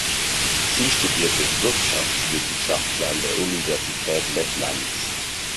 Sie studierte Wirtschaftswissenschaften an der Universität Lettlands.